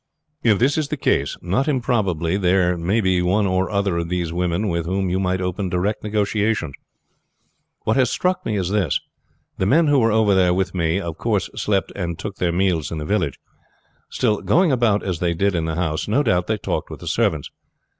"If this is the case, not improbably there may be one or other of these women with whom you might open direct negotiations. What has struck me is this. The men who were over there with me of course slept and took their meals in the village; still, going about as they did in the house, no doubt they talked with the servants.